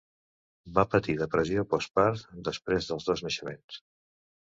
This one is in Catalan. Va patir depressió postpart després dels dos naixements.